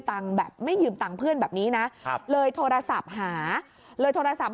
แบบไม่ยืมตังค์เพื่อนแบบนี้นะครับเลยโทรศัพท์หาเลยโทรศัพท์